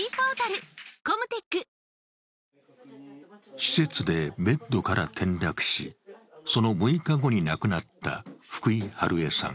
施設でベッドから転落し、その６日後に亡くなった福井美枝さん